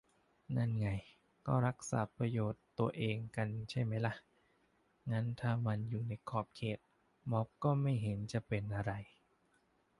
นั่นไง ก็รักษาประโยชน์ตัวเองกันใช่ไหมล่ะ งั้นถ้ามันอยู่ในขอบเขต ม็อบก็ไม่เห็นจะเป็นอะไร